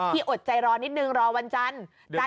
อดใจรอนิดนึงรอวันจันทร์